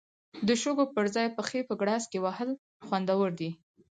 د شګو پر ځای پښې په ګراس کې وهل خوندور دي.